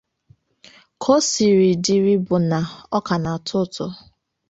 Ka o siri dị bụ na ọka na-atọ ụtọ